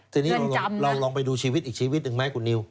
ทีนี้เราลองไปดูชีวิตอีกชีวิตหนึ่งไหมคุณนิว